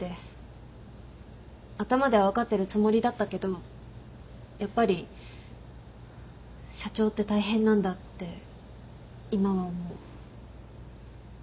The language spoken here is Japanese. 頭では分かってるつもりだったけどやっぱり社長って大変なんだって今は思う。